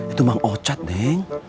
itu bang ocat neng